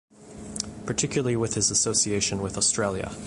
Particularly with his association with Australia.